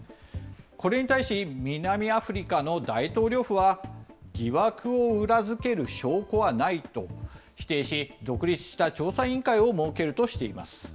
これに対し、南アフリカの大統領府は、疑惑を裏付ける証拠はないと否定し、独立した調査委員会を設けるとしています。